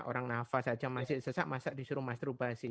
orang nafas saja masih sesak masih disuruh masturbasi